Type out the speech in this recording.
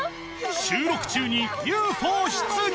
収録中にＵＦＯ出現！？